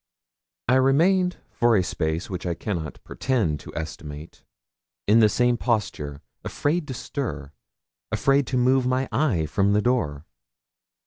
I remained for a space which I cannot pretend to estimate in the same posture, afraid to stir afraid to move my eye from the door.